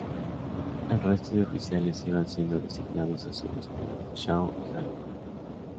El resto de oficiales iban siendo designados a su vez por Shaw y Hallowell.